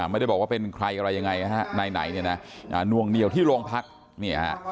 ไม่ได้บอกว่าเป็นใครอะไรยังไงนะฮะนายไหนเนี่ยนะนวงเหนียวที่โรงพักเนี่ยฮะ